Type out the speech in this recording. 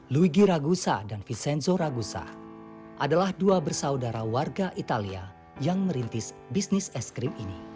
luigi ragusa dan vizenzo ragusa adalah dua bersaudara warga italia yang merintis bisnis es krim ini